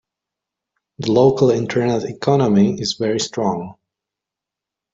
The local internet economy is very strong.